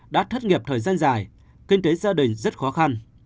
đã thất nghiệp thời gian dài kinh tế gia đình rất khó khăn